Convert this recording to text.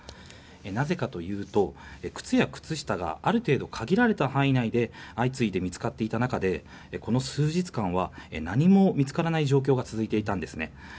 なぜかというと、靴や靴下がある程度、限られた範囲内で相次いで見つかっていた中でこの数日間は何も見つからない状況が続いていたんです。